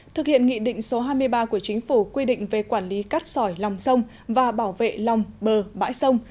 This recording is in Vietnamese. thực hiện nghị định số hai mươi ba của chính phủ quy định về quản lý cát sỏi lòng sông và bảo vệ lòng bờ bãi sông